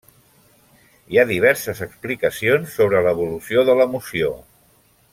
Hi ha diverses explicacions sobre l'evolució de l'emoció.